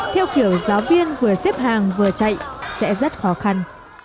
theo kiểu giáo viên vừa xếp hàng vừa chạy sẽ rất khó khăn